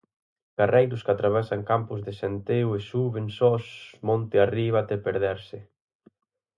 Carreiros que atravesan campos de centeo e suben sós monte arriba até perderse.